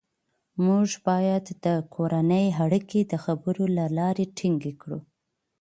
موږ باید د کورنۍ اړیکې د خبرو له لارې ټینګې کړو